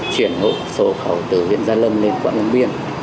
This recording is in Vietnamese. chuyển một số hộ khẩu từ huyện gia lâm lên quảng long biên